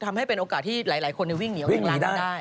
ทำให้เป็นโอกาสที่หลายคนได้วิ่งหนีออกในร้านเขาได้